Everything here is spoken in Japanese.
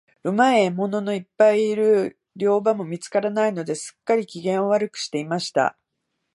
うまい獲物のいっぱいいる猟場も見つからないので、すっかり、機嫌を悪くしていました。